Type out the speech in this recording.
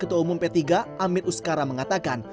pertama wakil ketua umum p tiga amit uskara mengatakan